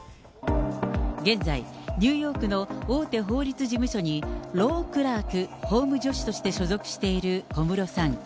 現在、ニューヨークの大手法律事務所に、ロー・クラーク、法務助手として所属している小室さん。